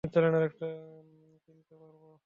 আমি চাইলেই আরেকটা কিনতে পারব।